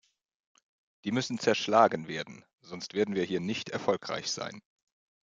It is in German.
Die müssen zerschlagen werden, sonst werden wir hier nicht erfolgreich sein.